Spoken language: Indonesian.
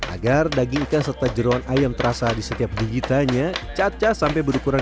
agar daging ikan serta jeruan ayam terasa di setiap gigitannya caca sampai berukuran